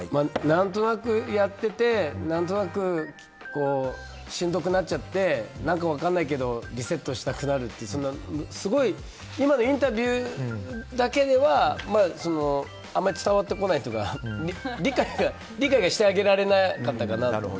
何となくやってて何となくしんどくなっちゃって何か分からないけどリセットしたくなるって今のインタビューだけではあまり伝わってこないというか理解がしてあげられなかったかな。